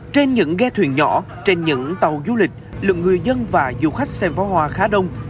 trên những ghe thuyền nhỏ trên những tàu du lịch lượng người dân và du khách xem phó hoa khá đông